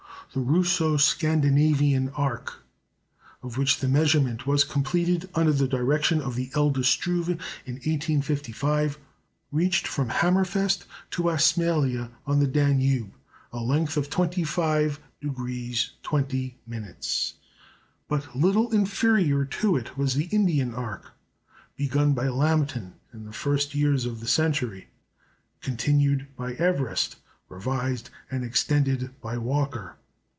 The Russo Scandinavian arc, of which the measurement was completed under the direction of the elder Struve in 1855, reached from Hammerfest to Ismailia on the Danube, a length of 25° 20'. But little inferior to it was the Indian arc, begun by Lambton in the first years of the century, continued by Everest, revised and extended by Walker.